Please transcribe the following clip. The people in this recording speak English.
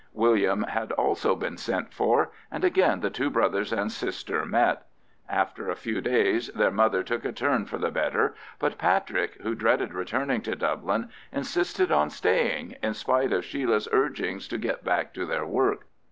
William had also been sent for, and again the two brothers and sister met. After a few days their mother took a turn for the better, but Patrick, who dreaded returning to Dublin, insisted on staying, in spite of Sheila's urgings to get back to their work.